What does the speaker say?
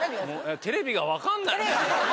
テレビが分かんない。